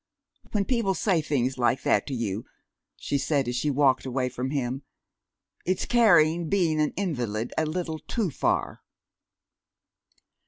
"When people say things like that to you," she said as she walked away from him, "it's carrying being an invalid a little too far!"